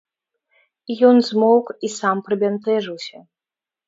Ён змоўк і сам прыбянтэжыўся.